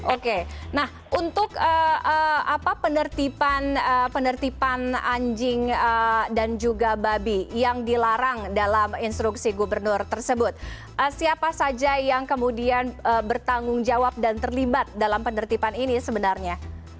oke nah untuk apa penertiban anjing dan juga babi yang dilarang dalam instruksi gubernur tersebut siapa saja yang kemudian bertanggung jawab dan terlibat dalam penertiban ini sebenarnya